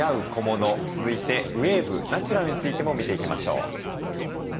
続いてウエーブナチュラルについても見ていきましょう。